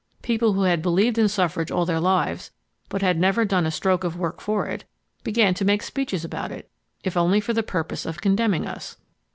People who had believed in suffrage all their lives, but had never done a, stroke of work for it, began to make speeches about it, if only for the purpose of condemning us.